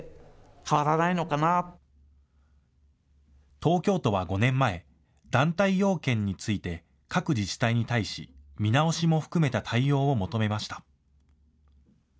東京都は５年前、団体要件について各自治体に対し見直しも含めた対応を求めました。